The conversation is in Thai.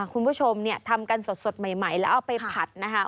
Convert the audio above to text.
คุณผู้ชมเนี่ยทำกันสดใหม่แล้วเอาไปผัดนะคะ